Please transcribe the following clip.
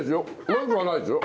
まずくはないですよ。